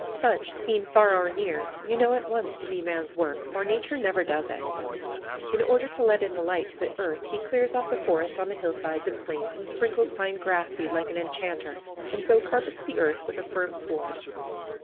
Such, seen far or near, you know at once to be man's work, for Nature never does it. In order to let in the light to the earth he clears off the forest on the hillsides and plains, and sprinkles fine grass seed like an enchanter, and so carpets the earth with a firm sward.